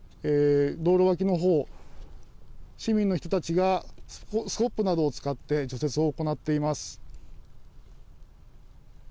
道路脇のほう、市民の人たちがスコップなどを使って除雪を行っています。